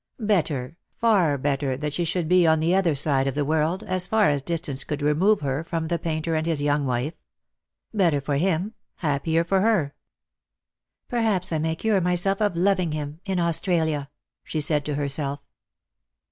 Better, far better that she should be on the other side of the world, as far as distance could remove her from the painter and his young wife. Better for him, happier for her. " Perhaps I may cure myself of loving him — in Australia," she said to herself.